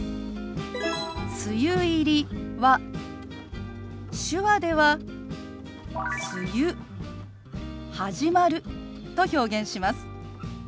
「梅雨入り」は手話では「梅雨始まる」と表現します。